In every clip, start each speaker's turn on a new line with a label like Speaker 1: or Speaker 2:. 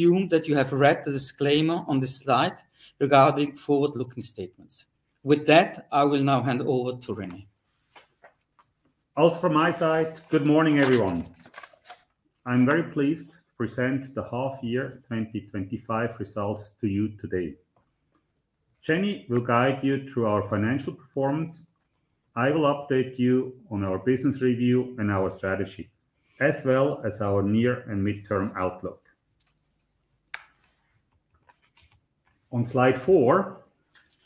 Speaker 1: Assume that you have read the disclaimer on this slide regarding forward-looking statements. With that, I will now hand over to René.
Speaker 2: Also, from my side, good morning, everyone. I'm very pleased to present the half-year 2025 results to you today. Jenni will guide you through our financial performance. I will update you on our business review and our strategy, as well as our near and mid-term outlook. On slide four,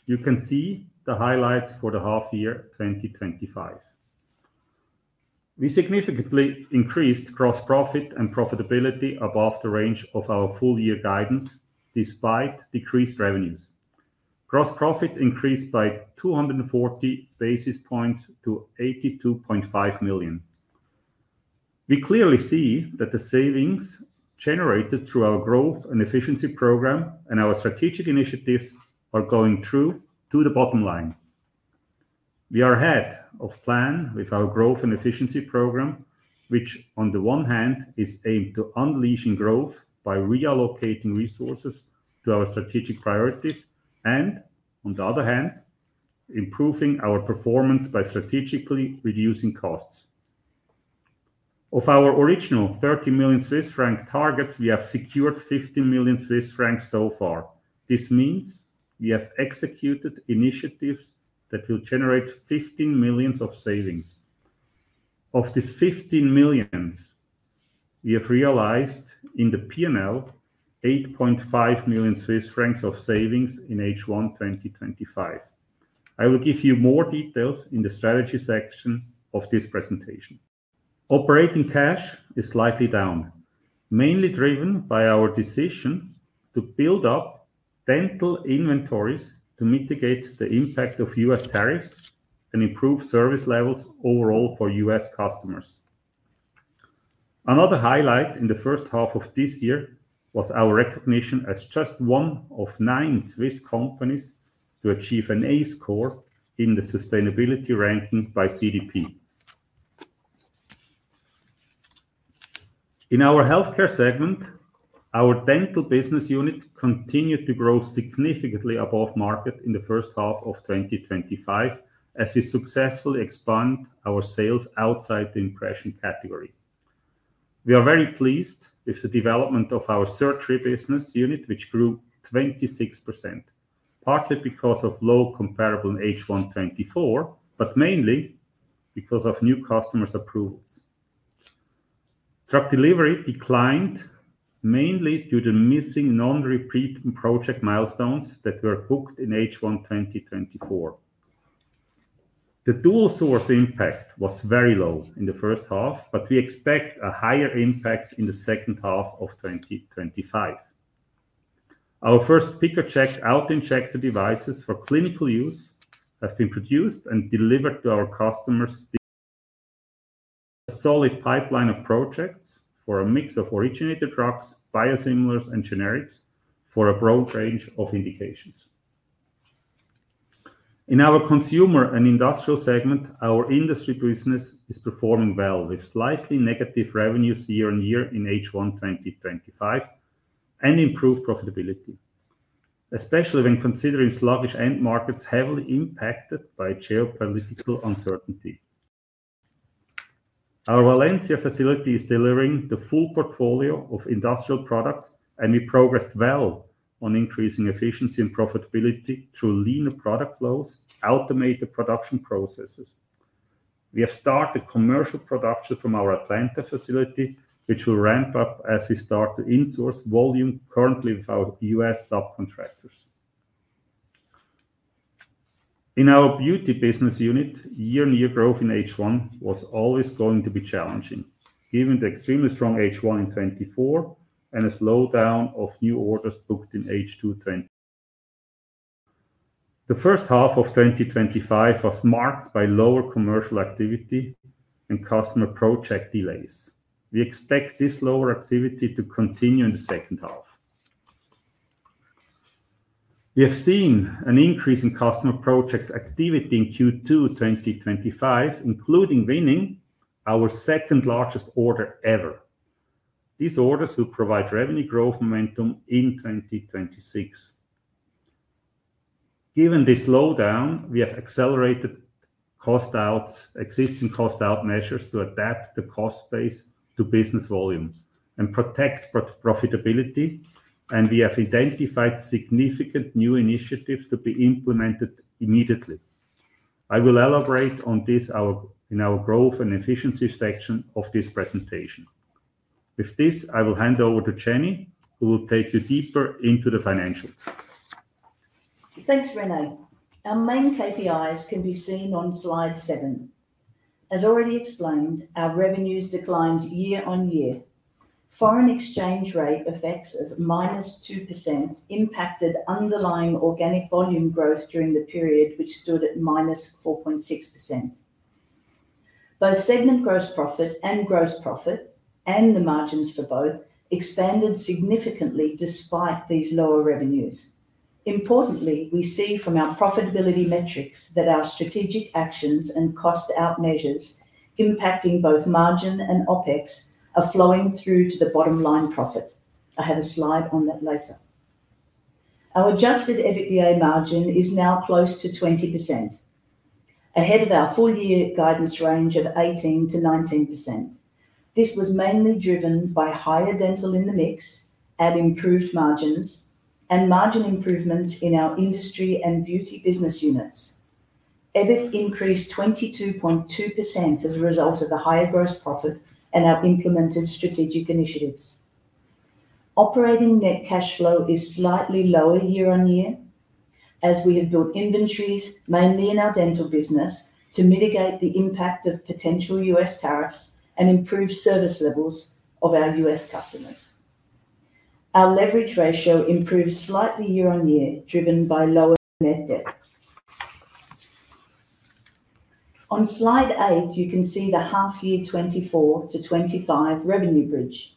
Speaker 2: you can see the highlights for the half-year 2025. We significantly increased gross profit and profitability above the range of our full-year guidance, despite decreased revenues. Gross profit increased by 240 basis points to 82.5 million. We clearly see that the savings generated through our growth and efficiency program and our strategic initiatives are going through to the bottom line. We are ahead of plan with our growth and efficiency program, which on the one hand is aimed to unleash growth by reallocating resources to our strategic priorities and, on the other hand, improving our performance by strategically reducing costs. Of our original 30 million Swiss franc targets, we have secured 15 million Swiss francs so far. This means we have executed initiatives that will generate 15 million of savings. Of these 15 million, we have realized in the P&L 8.5 million Swiss francs of savings in H1 2025. I will give you more details in the strategy section of this presentation. Operating cash is slightly down, mainly driven by our decision to build up dental inventories to mitigate the impact of U.S. tariffs and improve service levels overall for U.S. customers. Another highlight in the first half of this year was our recognition as just one of nine Swiss companies to achieve an A score in the sustainability ranking by CDP. In our healthcare segment, our Dental business unit continued to grow significantly above market in the first half of 2025, as we successfully expanded our sales outside the impression category. We are very pleased with the development of our Surgery business unit, which grew 26%, partly because of low comparable in H1 2024, but mainly because of new customers' approvals. Drug Delivery declined mainly due to missing non-repeat project milestones that were booked in H1 2024. The dual source impact was very low in the first half, but we expect a higher impact in the second half of 2025. Our first PiccoJect auto-injector devices for clinical use have been produced and delivered to our customers. A solid pipeline of projects for a mix of originated drugs, biosimilars, and generics for a broad range of indications. In our consumer and industrial segment, our Industry business is performing well with slightly negative revenues year-on-year in H1 2025 and improved profitability, especially when considering sluggish end markets heavily impacted by geopolitical uncertainty. Our Valencia facility is delivering the full portfolio of industrial products, and we progressed well on increasing efficiency and profitability through leaner product flows and automated production processes. We have started commercial production from our Atlanta facility, which will ramp up as we start to insource volume currently with our U.S. subcontractors. In our Beauty business unit, year-on-year growth in H1 was always going to be challenging, given the extremely strong H1 in 2024 and a slowdown of new orders booked in H2 2025. The first half of 2025 was marked by lower commercial activity and customer project delays. We expect this lower activity to continue in the second half. We have seen an increase in customer projects activity in Q2 2025, including winning our second largest order ever. These orders will provide revenue growth momentum in 2026. Given this slowdown, we have accelerated existing cost-out measures to adapt the cost base to business volume and protect profitability, and we have identified significant new initiatives to be implemented immediately. I will elaborate on this in our growth and efficiency section of this presentation. With this, I will hand over to Jenni, who will take you deeper into the financials.
Speaker 3: Thanks, René. Our main KPIs can be seen on slide seven. As already explained, our revenues declined year-on-year. Foreign exchange rate effects of minus 2% impacted underlying organic volume growth during the period, which stood at minus 4.6%. Both segment gross profit and gross profit, and the margins for both, expanded significantly despite these lower revenues. Importantly, we see from our profitability metrics that our strategic actions and cost-out measures impacting both margin and OpEx are flowing through to the bottom line profit. I have a slide on that later. Our adjusted EBITDA margin is now close to 20%, ahead of our full-year guidance range of 18% - 19%. This was mainly driven by higher dental in the mix, adding improved margins, and margin improvements in our industry and beauty business units. EBITDA increased 22.2% as a result of the higher gross profit and our implemented strategic initiatives. Operating net cash flow is slightly lower year-on-year, as we have built inventories, mainly in our dental business, to mitigate the impact of potential U.S. tariffs and improve service levels of our U.S. customers. Our leverage ratio improves slightly year-on-year, driven by lower net debt. On slide eight, you can see the half-year 2024 - 2025 revenue bridge.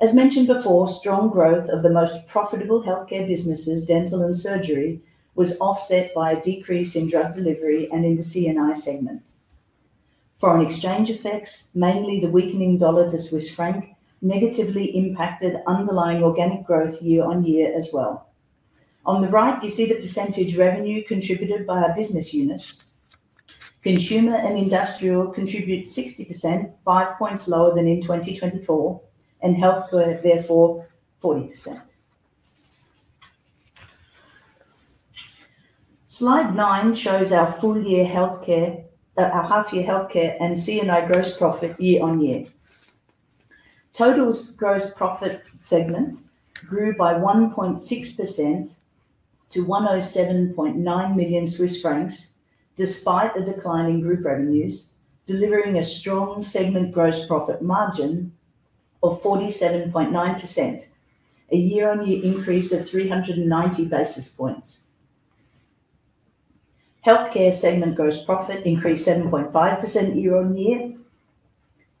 Speaker 3: As mentioned before, strong growth of the most profitable healthcare businesses, dental and surgery, was offset by a decrease in drug delivery and in the CNI segment. Foreign exchange effects, mainly the weakening dollar to Swiss franc, negatively impacted underlying organic growth year-on-year as well. On the right, you see the percentage revenue contributed by our business units. Consumer and industrial contribute 60%, five points lower than in 2024, and healthcare is therefore 40%. Slide nine shows our full-year healthcare, our half-year healthcare, and CNI gross profit year-on-year. Total gross profit segment grew by 1.6% to 107.9 million Swiss francs, despite a decline in group revenues, delivering a strong segment gross profit margin of 47.9%, a year-on-year increase of 390 basis points. Healthcare segment gross profit increased 7.5% year-on-year,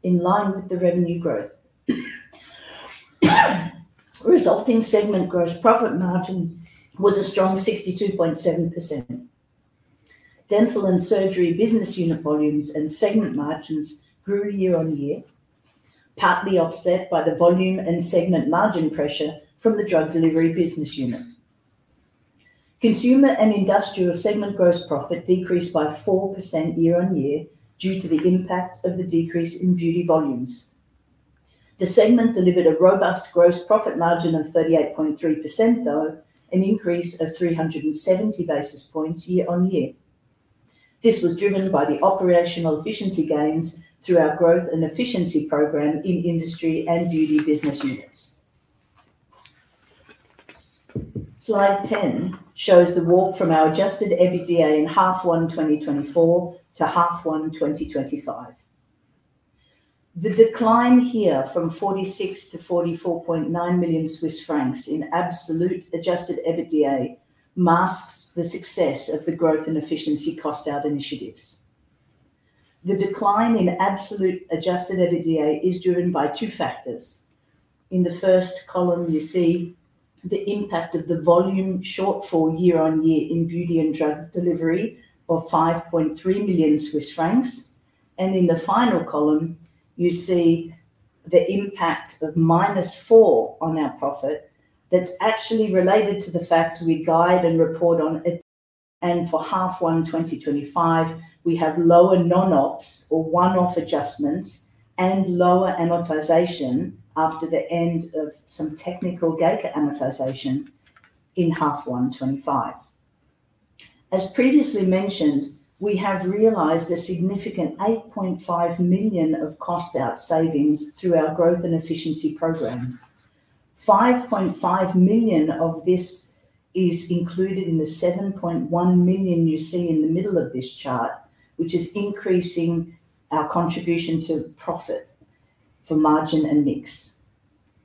Speaker 3: in line with the revenue growth. Resulting segment gross profit margin was a strong 62.7%. Dental and surgery business unit volumes and segment margins grew year-on-year, partly offset by the volume and segment margin pressure from the drug delivery business unit. Consumer and industrial segment gross profit decreased by 4% year-on-year due to the impact of the decrease in beauty volumes. The segment delivered a robust gross profit margin of 38.3%, though, an increase of 370 basis points year-on-year. This was driven by the operational efficiency gains through our growth and efficiency program in Industry and Beauty business units. Slide 10 shows the walk from our adjusted EBITDA in half one 2024 - half one 2025. The decline here from 46 million - 44.9 million Swiss francs in absolute adjusted EBITDA masks the success of the growth and efficiency cost-out initiatives. The decline in absolute adjusted EBITDA is driven by two factors. In the first column, you see the impact of the volume shortfall year-on-year in Beauty and Drug Delivery of 5.3 million Swiss francs, and in the final column, you see the impact of minus 4% on our profit that's actually related to the fact we guide and report on it. For half one 2025, we have lower non-ops or one-off adjustments and lower amortization after the end of some technical GACA amortization in half one 2025. As previously mentioned, we have realized a significant 8.5 million of cost-out savings through our growth and efficiency program. 5.5 million of this is included in the 7.1 million you see in the middle of this chart, which is increasing our contribution to profit for margin and mix.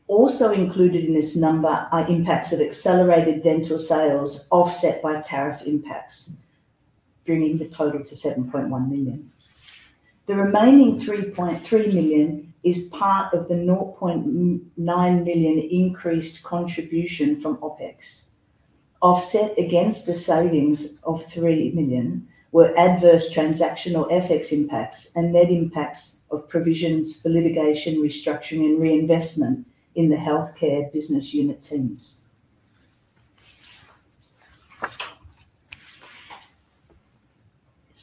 Speaker 3: Also included in this number are impacts of accelerated dental sales offset by tariff impacts, bringing the total to 7.1 million. The remaining 3.3 million is part of the 0.9 million increased contribution from OpEx. Offset against the savings of 3 million were adverse transactional FX impacts and net impacts of provisions for litigation, restructuring, and reinvestment in the Healthcare business unit teams.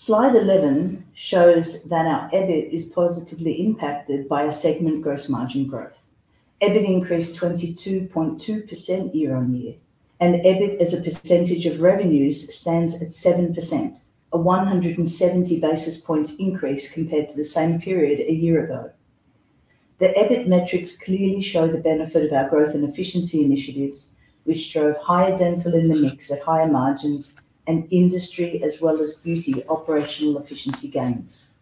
Speaker 3: Slide 11 shows that our EBIT is positively impacted by a segment gross margin growth. EBIT increased 22.2% year-on-year, and EBIT as a percentage of revenues stands at 7%, a 170 basis points increase compared to the same period a year ago. The EBIT metrics clearly show the benefit of our growth and efficiency initiatives, which show higher Dental in the mix at higher margins and Industry as well as Beauty operational efficiency gains.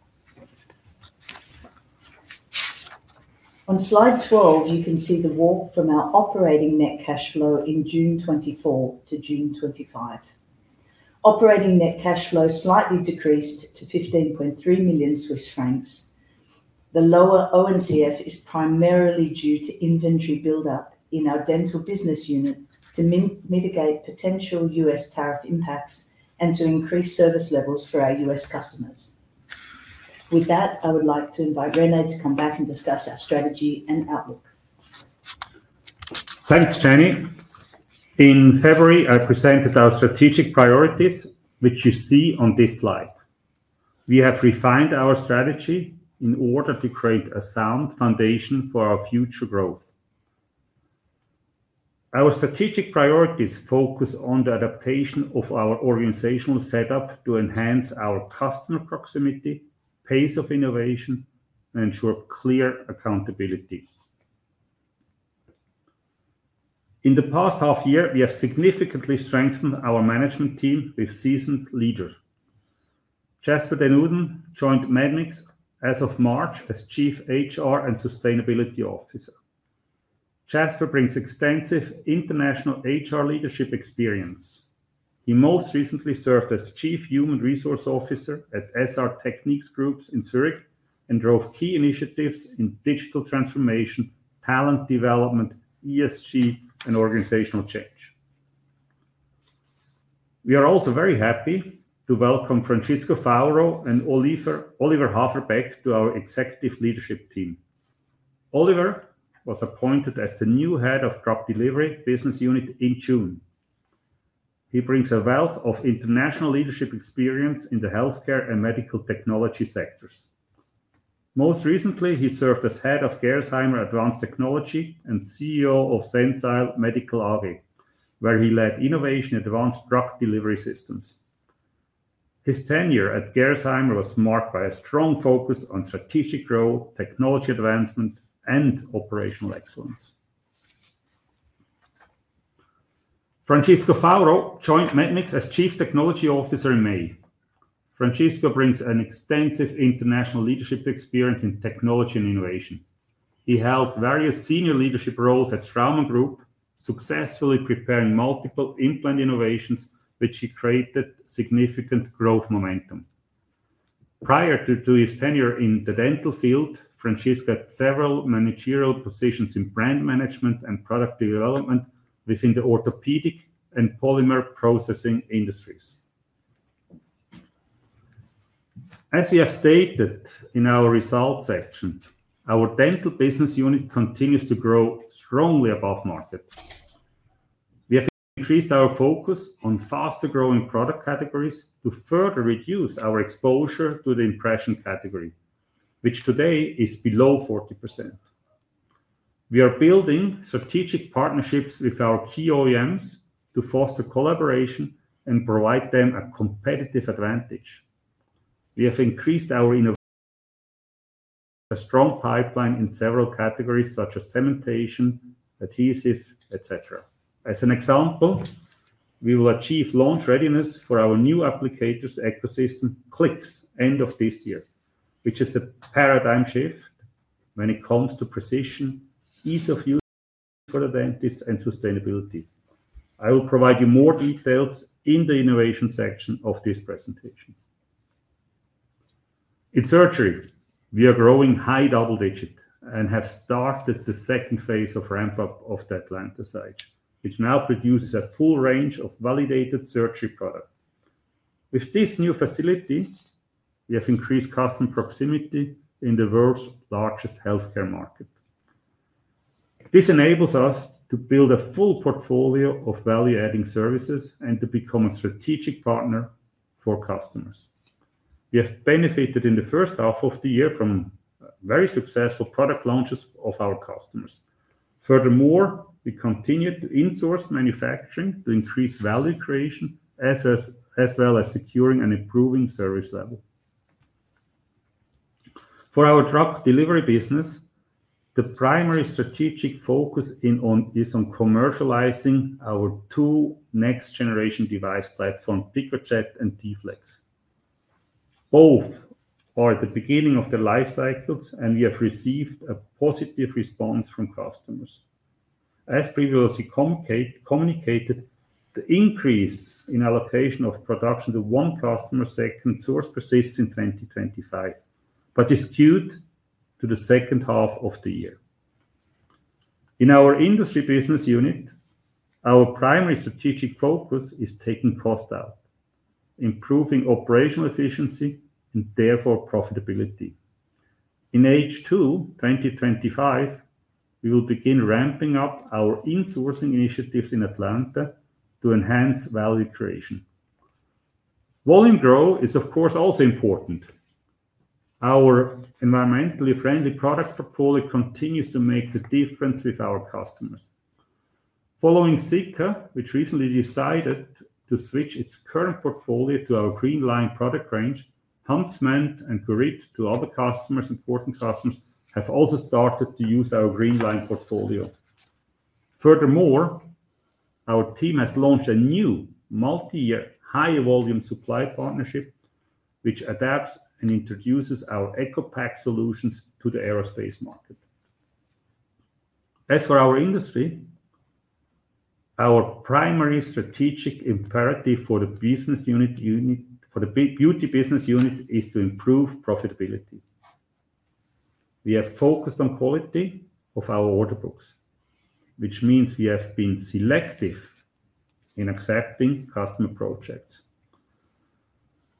Speaker 3: On slide 12, you can see the walk from our operating net cash flow in June 2024 - June 2025. Operating net cash flow slightly decreased to 15.3 million Swiss francs. The lower OMCF is primarily due to inventory build-up in our Dental business unit to mitigate potential U.S. tariff impacts and to increase service levels for our U.S. customers. With that, I would like to invite René to come back and discuss our strategy and outlook.
Speaker 2: Thanks, Jenni. In February, I presented our strategic priorities, which you see on this slide. We have refined our strategy in order to create a sound foundation for our future growth. Our strategic priorities focus on the adaptation of our organizational setup to enhance our customer proximity, pace of innovation, and ensure clear accountability. In the past half year, we have significantly strengthened our management team with seasoned leaders. Jasper den Ouden joined Medmix as of March as Chief HR and Sustainability Officer. Jasper brings extensive international HR leadership experience. He most recently served as Chief Human Resource Officer at SR Technics Group in Zurich and drove key initiatives in digital transformation, talent development, ESG, and organizational change. We are also very happy to welcome Francisco Faoro and Oliver Haferbeck to our executive leadership team. Oliver was appointed as the new Head of Drug Delivery Business Unit in June. He brings a wealth of international leadership experience in the healthcare and medical technology sectors. Most recently, he served as Head of Gerresheimer Advanced Technology and CEO of Sensile Medical AG, where he led innovation in advanced drug delivery systems. His tenure at Gerresheimer was marked by a strong focus on strategic growth, technology advancement, and operational excellence. Francisco Faoro joined Medmix as Chief Technology Officer in May. Francisco brings extensive international leadership experience in technology and innovation. He held various senior leadership roles at Straumann Group, successfully preparing multiple implant innovations, which created significant growth momentum. Prior to his tenure in the dental field, Francisco had several managerial positions in brand management and product development within the orthopedic and polymer processing industries. As you have stated in our results section, our Dental business unit continues to grow strongly above market. We have increased our focus on faster growing product categories to further reduce our exposure to the impression category, which today is below 40%. We are building strategic partnerships with our key OEMs to foster collaboration and provide them a competitive advantage. We have increased our innovation by creating a strong pipeline in several categories, such as cementation, adhesives, et cetera. As an example, we will achieve launch readiness for our new applicator ecosystem, Clix, end of this year, which is a paradigm shift when it comes to precision, ease of use for the dentists, and sustainability. I will provide you more details in the innovation section of this presentation. In Surgery, we are growing high double digits and have started the second phase of ramp-up of the Atlanta site, which now produces a full range of validated Surgery products. With this new facility, we have increased customer proximity in the world's largest healthcare market. This enables us to build a full portfolio of value-adding services and to become a strategic partner for customers. We have benefited in the first half of the year from very successful product launches of our customers. Furthermore, we continue to insource manufacturing to increase value creation, as well as securing and improving service levels. For our Drug Delivery business, the primary strategic focus is on commercializing our two next-generation device platforms, PiccoJect and D-Flex. Both are at the beginning of their life cycles, and we have received a positive response from customers. As previously communicated, the increase in allocation of production to one customer's second source persists in 2025, but is skewed to the second half of the year. In our Industry business unit, our primary strategic focus is taking cost out, improving operational efficiency, and therefore profitability. In H2 2025, we will begin ramping up our insourcing initiatives in Atlanta to enhance value creation. Volume growth is, of course, also important. Our environmentally friendly products portfolio continues to make the difference with our customers. Following Sika, which recently decided to switch its current portfolio to our Green Line product range, Huntsman and Korit, two other important customers, have also started to use our Green Line portfolio. Furthermore, our team has launched a new multi-year high-volume supply partnership, which adapts and introduces our EcoPack solutions to the aerospace market. As for our Industry, our primary strategic imperative for the business unit for the Beauty business unit is to improve profitability. We have focused on quality of our order books, which means we have been selective in accepting customer projects.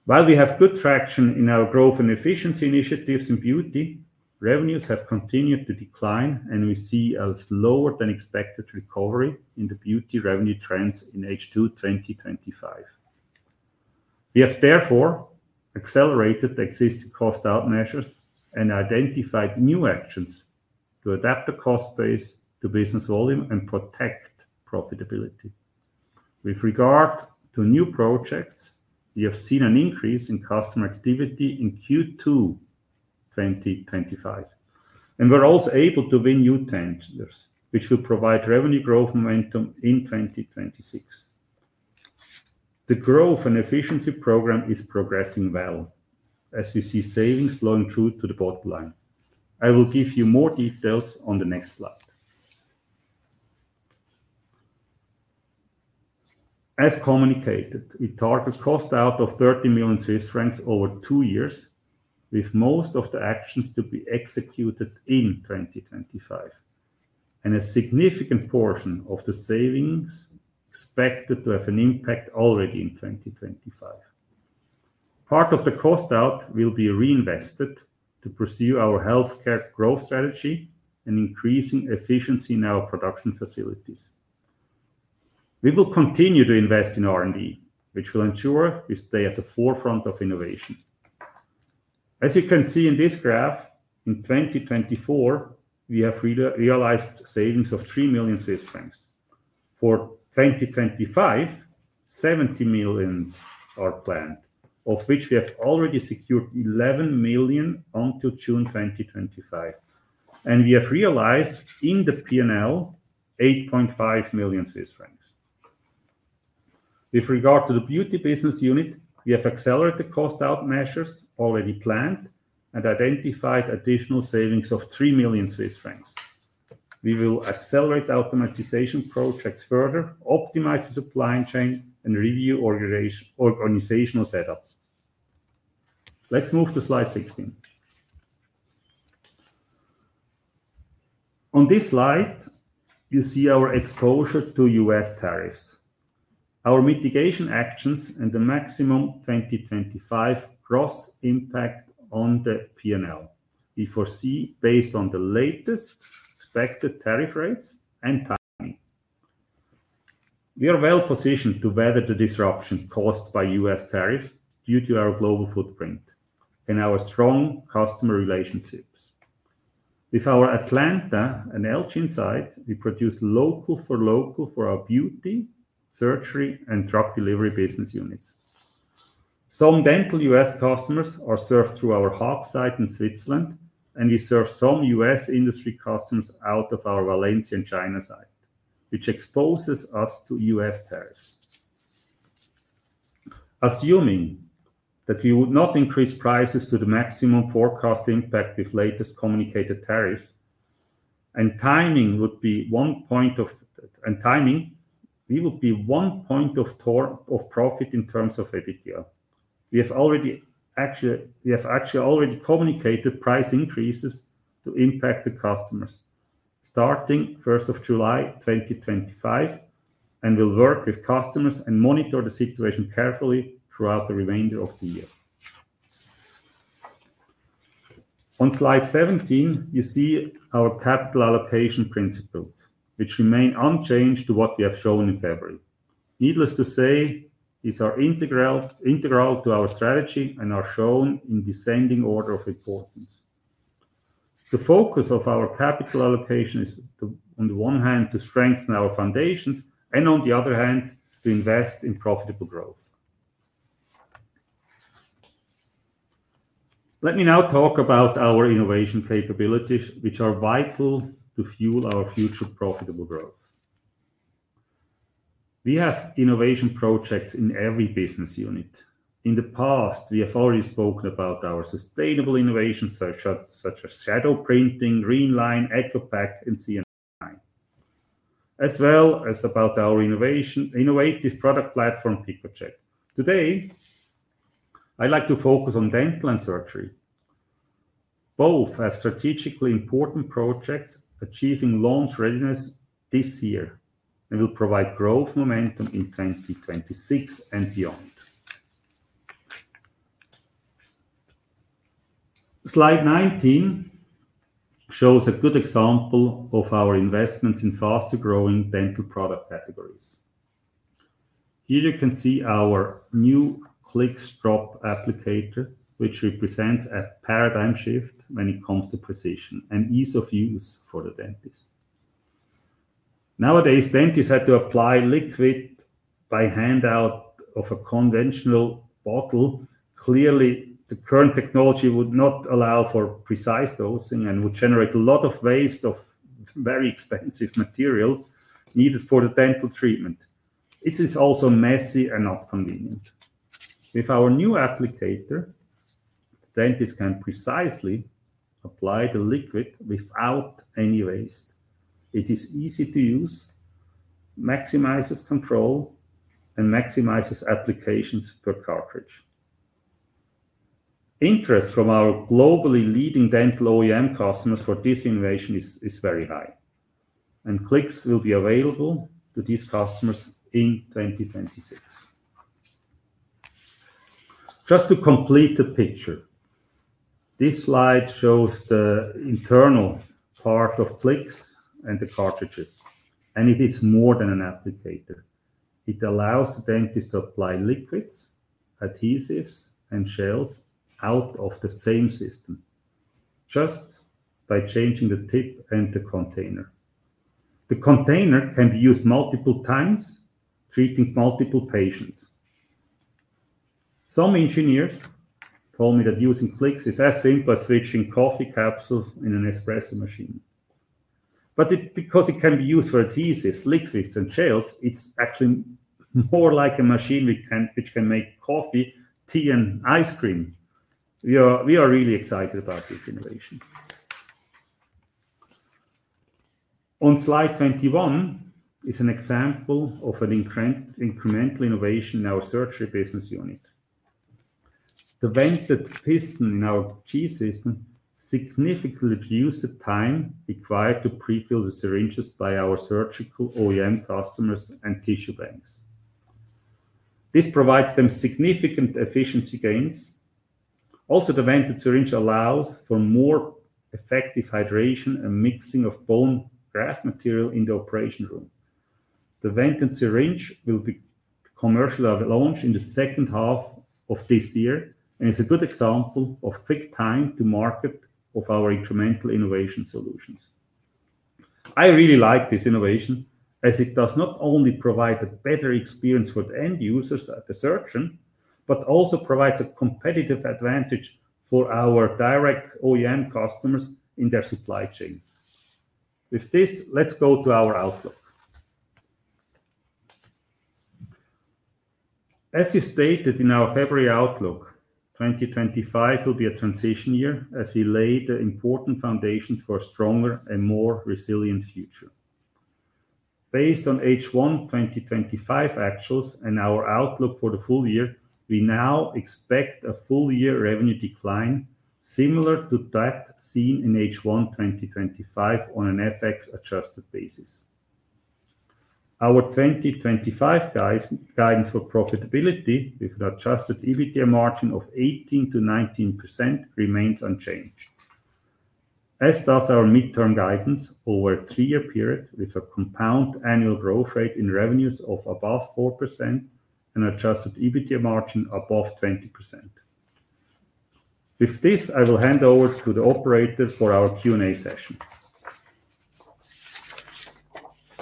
Speaker 2: While we have good traction in our growth and efficiency initiatives in Beauty, revenues have continued to decline, and we see a slower than expected recovery in the Beauty revenue trends in H2 2025. We have therefore accelerated the existing cost-out measures and identified new actions to adapt the cost base to business volume and protect profitability. With regard to new projects, we have seen an increase in customer activity in Q2 2025, and we're also able to win new tenders, which will provide revenue growth momentum in 2026. The growth and efficiency program is progressing well, as you see savings blowing through to the bottom line. I will give you more details on the next slide. As communicated, we target cost-out of 30 million Swiss francs over two years, with most of the actions to be executed in 2025, and a significant portion of the savings expected to have an impact already in 2025. Part of the cost-out will be reinvested to pursue our healthcare growth strategy and increasing efficiency in our production facilities. We will continue to invest in R&D, which will ensure we stay at the forefront of innovation. As you can see in this graph, in 2024, we have realized savings of 3 million Swiss francs. For 2025, 70 million are planned, of which we have already secured 11 million until June 2025, and we have realized in the P&L 8.5 million Swiss francs. With regard to the Beauty business unit, we have accelerated the cost-out measures already planned and identified additional savings of 3 million Swiss francs. We will accelerate the automatization projects further, optimize the supply chain, and review organizational setups. Let's move to slide 16. On this slide, you see our exposure to U.S. tariffs, our mitigation actions, and the maximum 2025 gross impact on the P&L. We foresee based on the latest expected tariff rates and timing. We are well positioned to weather the disruption caused by U.S. tariffs due to our global footprint and our strong customer relationships. With our Atlanta and Elgin sites, we produce local-for-local for our Beauty, Surgery, and Drug Delivery business units. Some Dental U.S. customers are served through our HAWK site in Switzerland, and we serve some U.S. Industry customers out of our Valencia and China site, which exposes us to U.S. tariffs. Assuming that we would not increase prices to the maximum forecast impact with latest communicated tariffs, and timing would be one point of profit in terms of EBITDA. We have already actually communicated price increases to impact the customers, starting July 1st, 2025, and we'll work with customers and monitor the situation carefully throughout the remainder of the year. On slide 17, you see our capital allocation principles, which remain unchanged to what we have shown in February. Needless to say, these are integral to our strategy and are shown in descending order of importance. The focus of our capital allocation is, on the one hand, to strengthen our foundations, and on the other hand, to invest in profitable growth. Let me now talk about our innovation capabilities, which are vital to fuel our future profitable growth. We have innovation projects in every business unit. In the past, we have already spoken about our sustainable innovations, such as shadow printing, Green Line, EcoPack, and CNI, as well as about our innovative product platform, PiccoJect. Today, I'd like to focus on dental and surgery. Both have strategically important projects achieving launch readiness this year and will provide growth momentum in 2026 and beyond. Slide 19 shows a good example of our investments in faster growing dental product categories. Here you can see our new Clix drop applicator, which represents a paradigm shift when it comes to precision and ease of use for the dentist. Nowadays, dentists had to apply liquid by hand out of a conventional bottle. Clearly, the current technology would not allow for precise dosing and would generate a lot of waste of very expensive material needed for the dental treatment. It is also messy and not convenient. With our new applicator, the dentist can precisely apply the liquid without any waste. It is easy to use, maximizes control, and maximizes applications per cartridge. Interest from our globally leading dental OEM customers for this innovation is very high, and Clix will be available to these customers in 2026. Just to complete the picture, this slide shows the internal part of Clix and the cartridges, and it is more than an applicator. It allows the dentist to apply liquids, adhesives, and gels out of the same system just by changing the tip and the container. The container can be used multiple times, treating multiple patients. Some engineers told me that using Clix is as simple as switching coffee capsules in an espresso machine. Because it can be used for adhesives, liquids, and gels, it's actually more like a machine which can make coffee, tea, and ice cream. We are really excited about this innovation. On slide 21 is an example of an incremental innovation in our Surgery business unit. The vented piston in our G system significantly reduced the time required to prefill the syringes by our surgical OEM customers and tissue banks. This provides them significant efficiency gains. Also, the vented syringe allows for more effective hydration and mixing of bone graft material in the operation room. The vented syringe will be commercially launched in the second half of this year, and it's a good example of quick time to market of our incremental innovation solutions. I really like this innovation as it does not only provide a better experience for the end users and the surgeon, but also provides a competitive advantage for our direct OEM customers in their supply chain. With this, let's go to our outlook. As you stated in our February outlook, 2025 will be a transition year as we lay the important foundations for a stronger and more resilient future. Based on H1 2025 actuals and our outlook for the full year, we now expect a full-year revenue decline similar to that seen in H1 2025 on an FX-adjusted basis. Our 2025 guidance for profitability with an adjusted EBITDA margin of 18% - 19% remains unchanged, as does our midterm guidance over a three-year period with a compound annual growth rate in revenues of above 4% and an adjusted EBITDA margin above 20%. With this, I will hand over to the operator for our Q&A session.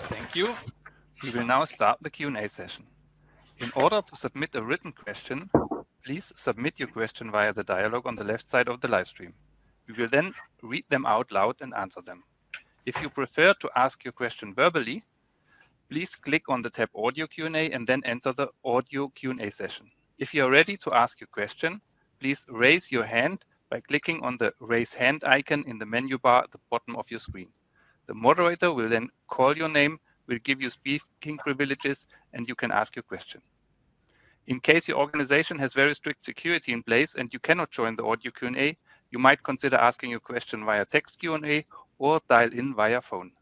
Speaker 1: Thank you. We will now start the Q&A session. In order to submit a written question, please submit your question via the dialogue on the left side of the livestream. We will then read them out loud and answer them. If you prefer to ask your question verbally, please click on the tab Audio Q&A and then enter the Audio Q&A session. If you are ready to ask your question, please raise your hand by clicking on the Raise Hand icon in the menu bar at the bottom of your screen. The moderator will then call your name, will give you speaking privileges, and you can ask your question. In case your organization has very strict security in place and you cannot join the Audio Q&A, you might consider asking your question via text Q&A or dial in via phone.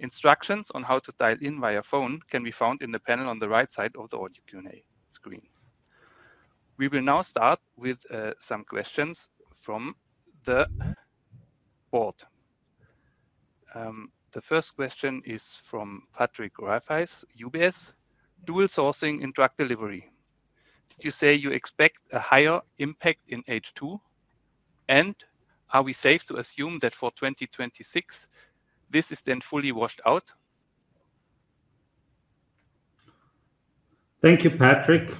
Speaker 1: Instructions on how to dial in via phone can be found in the panel on the right side of the Audio Q&A screen. We will now start with some questions from the board.
Speaker 4: The first question is from Patrick Rafaisz, UBS, dual sourcing in Drug Delivery. Did you say you expect a higher impact in H2? Are we safe to assume that for 2026, this is then fully washed out?
Speaker 2: Thank you, Patrick.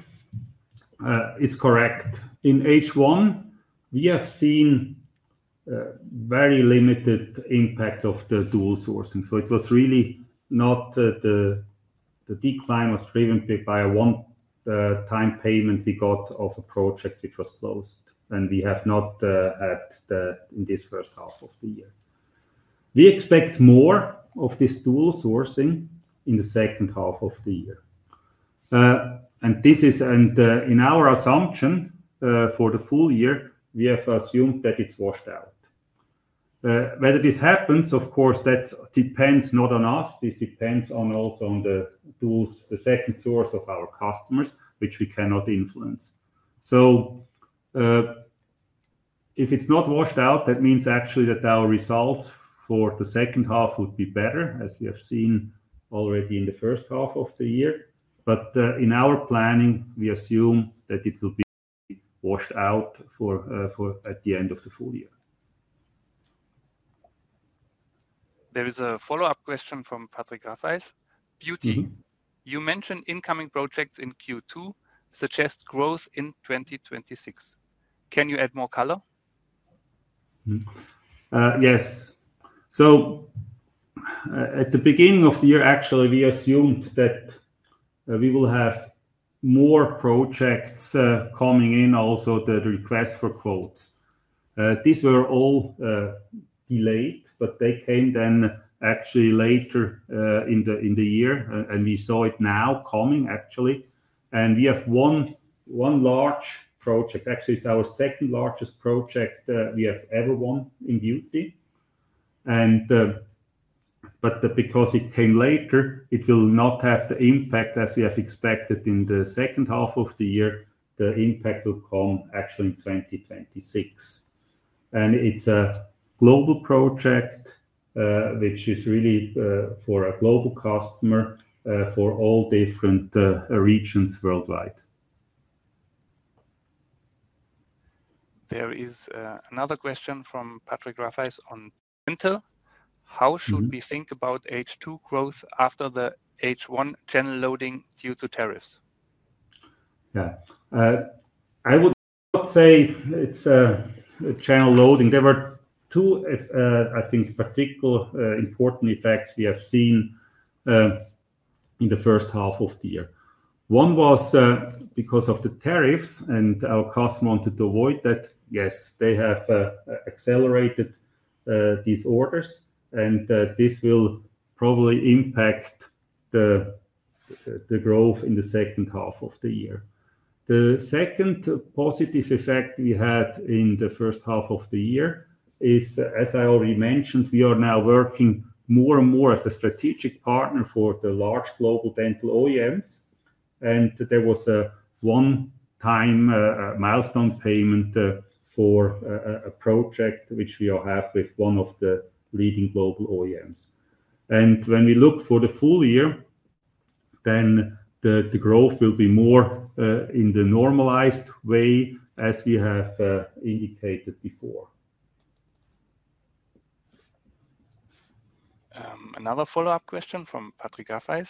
Speaker 2: It's correct. In H1, we have seen a very limited impact of the dual sourcing. It was really not the decline, it was driven by one-time payment we got of a project which was closed, and we have not had in this first half of the year. We expect more of this dual sourcing in the second half of the year. In our assumption for the full year, we have assumed that it's washed out. Whether this happens, of course, that depends not on us. This depends also on the second source of our customers, which we cannot influence. If it's not washed out, that means actually that our results for the second half would be better, as we have seen already in the first half of the year. In our planning, we assume that it will be washed out at the end of the full year.
Speaker 4: There is a follow-up question from Patrick Rafaisz. Beauty, you mentioned incoming projects in Q2 suggest growth in 2026. Can you add more color?
Speaker 2: Yes. At the beginning of the year, actually, we assumed that we will have more projects coming in, also the request for quotes. These were all delayed, but they came then actually later in the year, and we saw it now coming, actually. We have won one large project. Actually, it's our second largest project we have ever won in Beauty. Because it came later, it will not have the impact as we have expected in the second half of the year. The impact will come actually in 2026. It's a global project, which is really for a global customer for all different regions worldwide.
Speaker 4: There is another question from Patrick Rafaisz on Medmix. How should we think about H2 growth after the H1 channel loading due to tariffs?
Speaker 2: Yeah. I would say it's a channel loading. There were two, I think, particularly important effects we have seen in the first half of the year. One was because of the tariffs, and our customers wanted to avoid that. Yes, they have accelerated these orders, and this will probably impact the growth in the second half of the year. The second positive effect we had in the first half of the year is, as I already mentioned, we are now working more and more as a strategic partner for the large global dental OEMs. There was a one-time milestone payment for a project which we have with one of the leading global OEMs. When we look for the full year, the growth will be more in the normalized way, as we have indicated before.
Speaker 4: Another follow-up question from Patrick Rafaisz.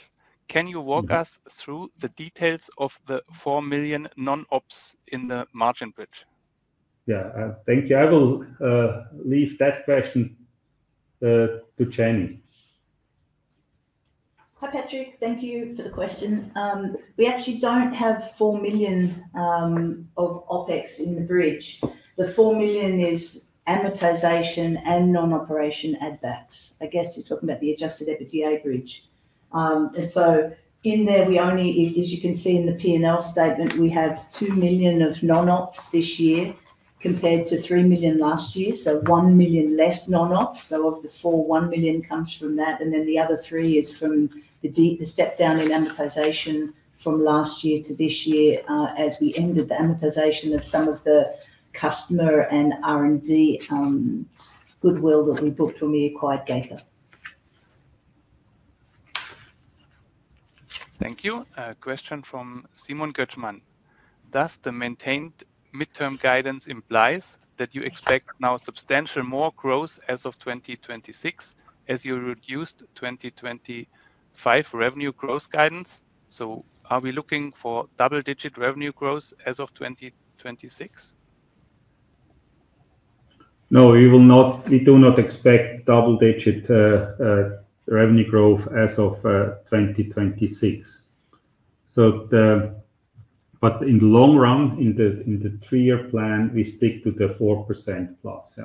Speaker 4: Can you walk us through the details of the 4 million non-ops in the margin bridge?
Speaker 2: Yeah, thank you. I will leave that question to Jenni.
Speaker 3: Hi, Patrick. Thank you for the question. We actually don't have 4 million of OpEx in the bridge. The 4 million is amortization and non-operation at that. I guess you're talking about the adjusted EBITDA bridge. In there, as you can see in the P&L statement, we have 2 million of non-ops this year compared to 3 million last year, so 1 million less non-ops. Of the four, 1 million comes from that, and the other three is from the step-down in amortization from last year to this year as we ended the amortization of some of the customer and R&D goodwill that we booked when we acquired GACA.
Speaker 4: Thank you. A question from Simon Götschmann. Does the maintained midterm guidance imply that you expect now substantially more growth as of 2026 as you reduced 2025 revenue growth guidance? Are we looking for double-digit revenue growth as of 2026?
Speaker 2: No, we do not expect double-digit revenue growth as of 2026. In the long run, in the three-year plan, we stick to the 4% plus.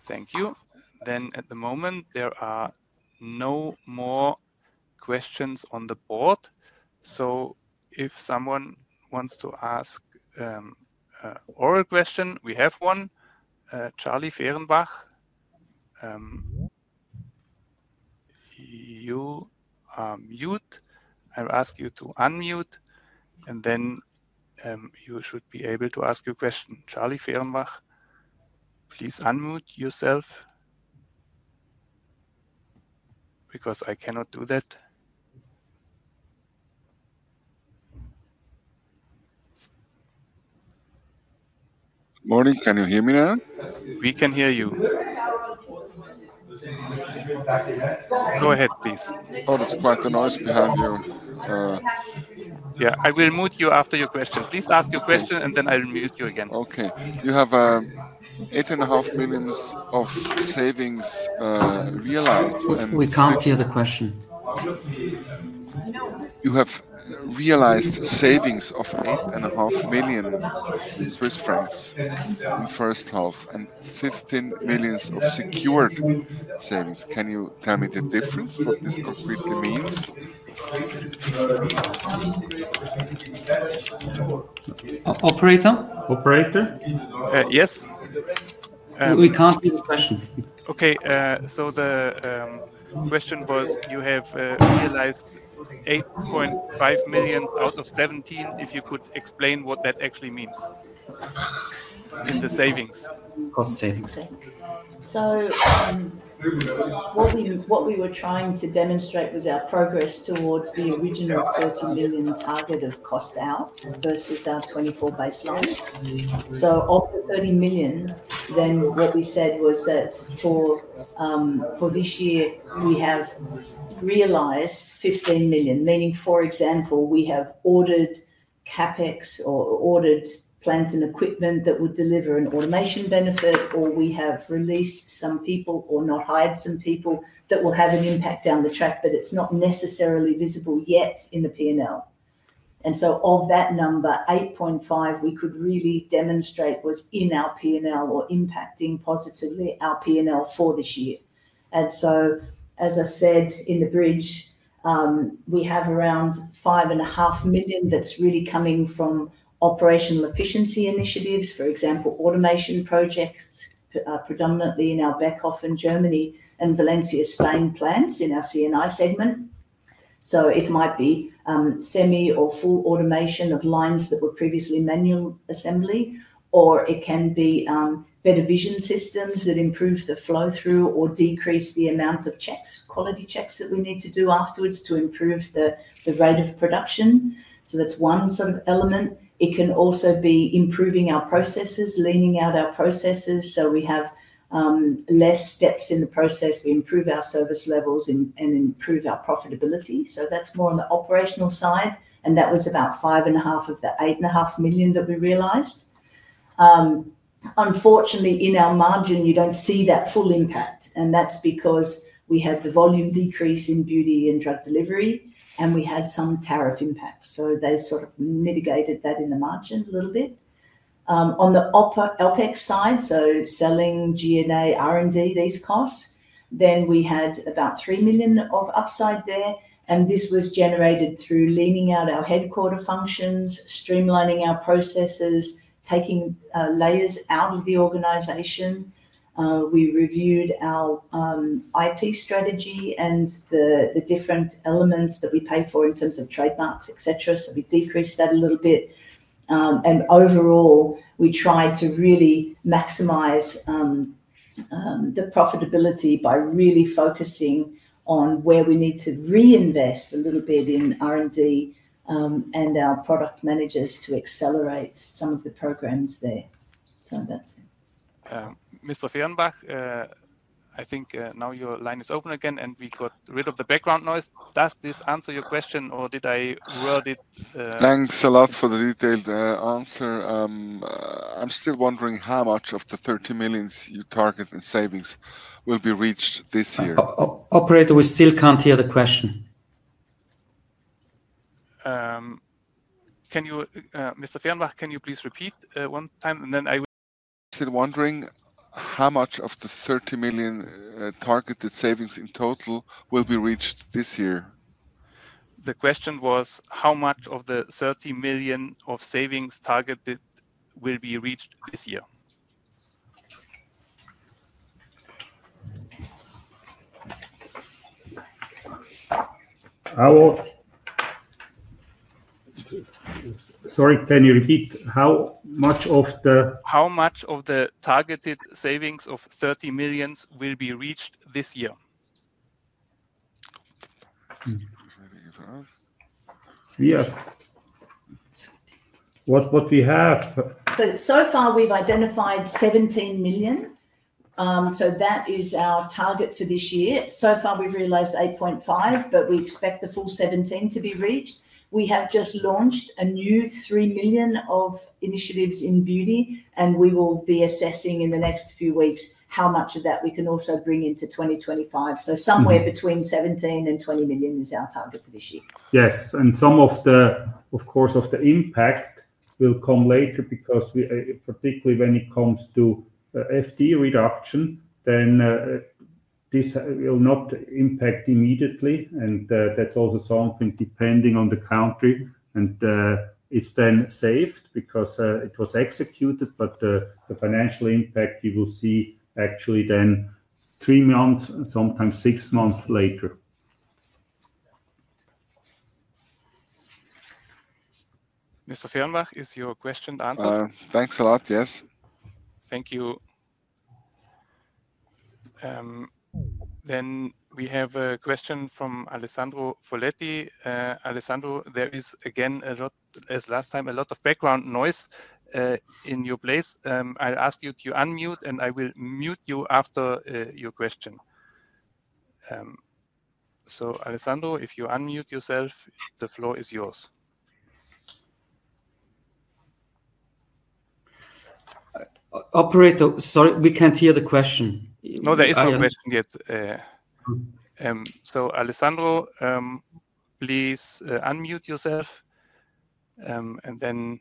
Speaker 4: Thank you. At the moment, there are no more questions on the board. If someone wants to ask an oral question, we have one. Charlie Fehrenbach, you are mute. I'll ask you to unmute, and then you should be able to ask your question. Charlie Fehrenbach, please unmute yourself because I cannot do that.
Speaker 5: Morning. Can you hear me now?
Speaker 4: We can hear you. Go ahead, please.
Speaker 5: It's quite a noise behind you.
Speaker 2: Yeah, I will mute you after your question. Please ask your question, and then I'll mute you again.
Speaker 5: Okay. You have 8.5 million of savings realized.
Speaker 3: We can't hear the question.
Speaker 5: You have realized savings of 8.5 million Swiss francs in the first half and 15 million of secured savings. Can you tell me the difference, what this concretely means?
Speaker 3: Operator?
Speaker 2: Operator? Yes.
Speaker 3: We can't hear the question.
Speaker 4: Okay. The question was, you have realized 8.5 million out of 17 million. If you could explain what that actually means in the savings?
Speaker 2: Cost savings, sorry.
Speaker 3: What we were trying to demonstrate was our progress towards the original 30 million target of cost-out versus our 2024 baseline. Of the 30 million, what we said was that for this year, we have realized 15 million, meaning, for example, we have ordered CapEx or ordered plants and equipment that would deliver an automation benefit, or we have released some people or not hired some people that will have an impact down the track, but it's not necessarily visible yet in the P&L. Of that number, 8.5 million we could really demonstrate was in our P&L or impacting positively our P&L for this year. As I said, in the bridge, we have around 5.5 million that's really coming from operational efficiency initiatives, for example, automation projects, predominantly in our Beckhoff in Germany and Valencia, Spain plants in our CNI segment. It might be semi or full automation of lines that were previously manual assembly, or it can be better vision systems that improve the flow-through or decrease the amount of quality checks that we need to do afterwards to improve the rate of production. That's one element. It can also be improving our processes, leaning out our processes so we less steps in the process, improve our service levels, and improve our profitability. That's more on the operational side, and that was about 5.5 million of the 8.5 million that we realized. Unfortunately, in our margin, you don't see that full impact, and that's because we had the volume decrease in Beauty and Drug Delivery, and we had some tariff impacts. They sort of mitigated that in the margin a little bit. On the OpEx side, so selling, G&A, R&D, these costs, we had about 3 million of upside there, and this was generated through leaning out our headquarter functions, streamlining our processes, taking layers out of the organization. We reviewed our IP strategy and the different elements that we pay for in terms of trademarks, etc. We decreased that a little bit. Overall, we tried to really maximize the profitability by really focusing on where we need to reinvest a little bit in R&D and our product managers to accelerate some of the programs there, so that's it.
Speaker 4: Mr. Fehrenbach, I think now your line is open again, and we got rid of the background noise. Does this answer your question, or did I word it?
Speaker 5: Thanks a lot for the detailed answer. I'm still wondering how much of the 30 million you target in savings will be reached this year?
Speaker 3: Operator, we still can't hear the question.
Speaker 4: Mr. Fehrenbach, can you please repeat one time? Then I will.
Speaker 5: Still wondering how much of the 30 million targeted savings in total will be reached this year?
Speaker 4: The question was, how much of the 30 million of savings targeted will be reached this year?
Speaker 2: Sorry, can you repeat how much of the?
Speaker 4: How much of the targeted savings of 30 million will be reached this year?
Speaker 2: Yeah, what we have.
Speaker 3: So far we have identified 17 million. That is our target for this year. We have realized 8.5 million, but we expect the full 17 million to be reached. We have just launched a new 3 million of initiatives in the Beauty, and we will be assessing in the next few weeks how much of that we can also bring into 2025. Somewhere between 17 million and 20 million is our target for this year.
Speaker 2: Yes. Some of the impact will come later because particularly when it comes to FD reduction, this will not impact immediately. This is also something depending on the country, and it's then saved because it was executed, but the financial impact you will see actually three months, sometimes six months later.
Speaker 4: Mr. Fehrenbach, is your question answered?
Speaker 5: Thanks a lot. Yes.
Speaker 4: Thank you. We have a question from Alessandro Foletti. Alessandro, there is again, as last time, a lot of background noise in your place. I'll ask you to unmute, and I will mute you after your question. Alessandro, if you unmute yourself, the floor is yours.
Speaker 2: Operator, sorry, we can't hear the question.
Speaker 4: No, there is no question yet. Alessandro, please unmute yourself, and then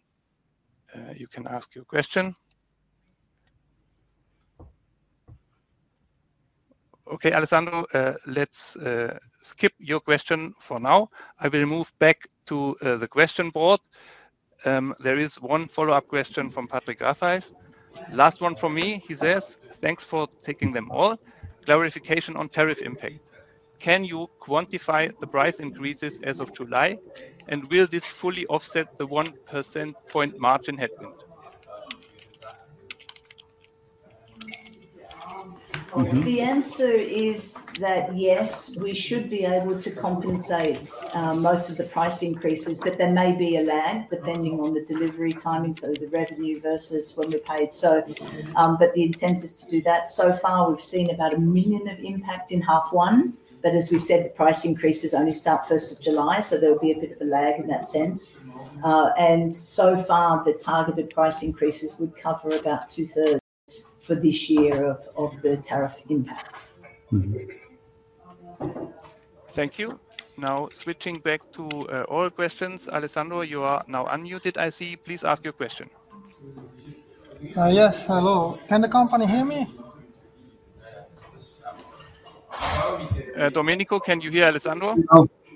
Speaker 4: you can ask your question. Okay, Alessandro, let's skip your question for now. I will move back to the question board. There is one follow-up question from Patrick Rafaisz. Last one from me, he says, thanks for taking them all. Clarification on tariff impact. Can you quantify the price increases as of July, and will this fully offset the 1% point margin headwind?
Speaker 3: The answer is that yes, we should be able to compensate most of the price increases, but there may be a lag depending on the delivery timing, so the revenue versus when we're paid. The intent is to do that. So far, we've seen about 1 million of impact in half one, but as we said, the price increases only start 1st of July, so there will be a bit of a lag in that sense. So far, the targeted price increases would cover about two-thirds for this year of the tariff impact.
Speaker 4: Thank you. Now, switching back to all questions, Alessandro, you are now unmuted, I see. Please ask your question.
Speaker 5: Yes, hello. Can the company hear me?
Speaker 4: Domenico, can you hear Alessandro?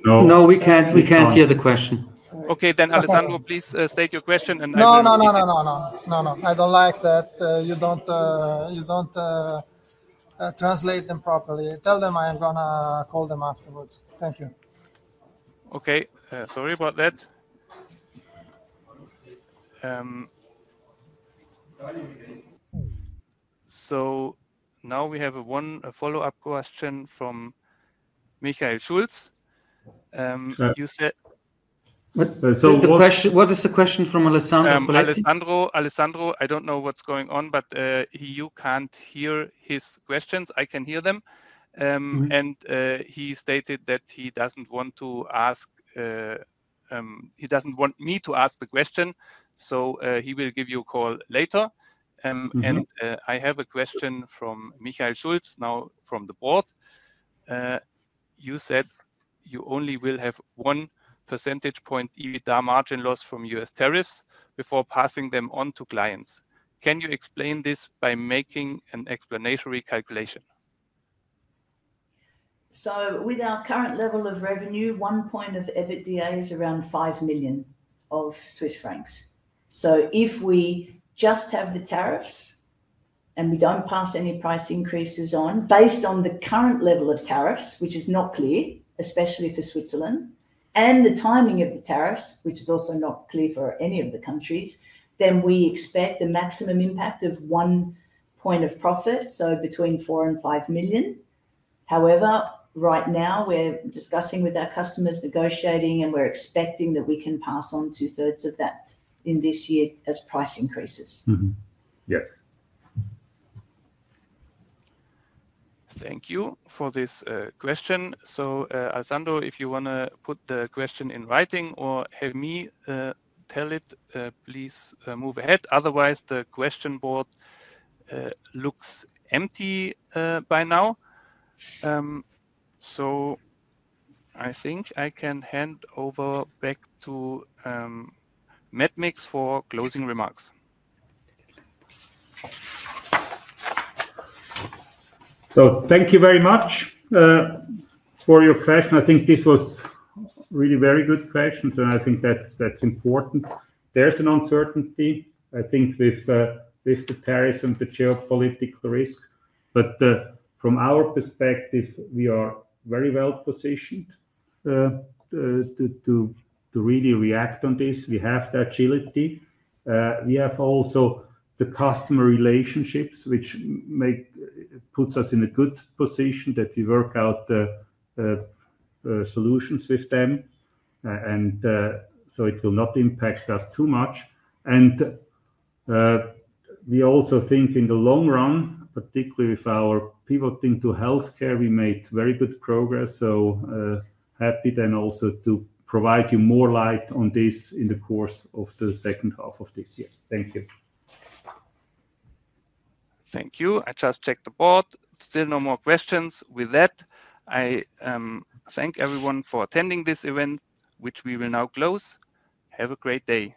Speaker 2: No, we can't hear the question.
Speaker 4: Okay, Alessandro, please state your question.
Speaker 5: No, no, no, no, no, no, I don't like that you don't translate them properly. Tell them I'm going to call them afterwards. Thank you.
Speaker 4: Okay, sorry about that. We have one follow-up question from Michael Schultz. You said.
Speaker 3: What is the question from Alessandro?
Speaker 4: Alessandro, I don't know what's going on, but you can't hear his questions. I can hear them. He stated that he doesn't want to ask me to ask the question, so he will give you a call later. I have a question from Michael Schultz, now from the board. You said you only will have one % EBITDA margin loss from U.S. tariffs before passing them on to clients. Can you explain this by making an explanatory calculation?
Speaker 3: With our current level of revenue, one point of EBITDA is around 5 million. If we just have the tariffs and we don't pass any price increases on, based on the current level of tariffs, which is not clear, especially for Switzerland, and the timing of the tariffs, which is also not clear for any of the countries, we expect a maximum impact of one point of profit, so between 4 million and 5 million. However, right now, we're discussing with our customers, negotiating, and we're expecting that we can pass on two-thirds of that in this year as price increases.
Speaker 2: Yes.
Speaker 4: Thank you for this question. Alessandro, if you want to put the question in writing or have me tell it, please move ahead. Otherwise, the question board looks empty by now. I think I can hand over back to Medmix for closing remarks.
Speaker 2: Thank you very much for your question. I think this was really very good questions, and I think that's important. There's an uncertainty, I think, with the tariffs and the geopolitical risk. From our perspective, we are very well positioned to really react on this. We have the agility. We have also the customer relationships, which puts us in a good position that we work out the solutions with them. It will not impact us too much. We also think in the long run, particularly with our pivot into healthcare, we made very good progress. Happy then also to provide you more light on this in the course of the second half of this year. Thank you.
Speaker 4: Thank you. I just checked the board. Still no more questions. With that, I thank everyone for attending this event, which we will now close. Have a great day.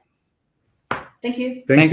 Speaker 3: Thank you.
Speaker 2: Thank you.